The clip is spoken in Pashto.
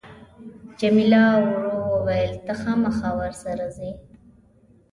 جميله ورو وویل ته خامخا ورسره ځې.